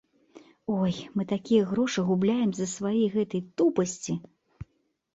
Ой, мы такія грошы губляем з-за сваёй гэтай тупасці.